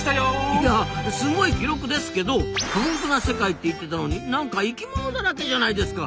いやすごい記録ですけど過酷な世界って言ってたのになんか生きものだらけじゃないですか！